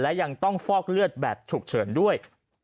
และยังต้องฟอกเลือดแบบฉุกเฉินด้วย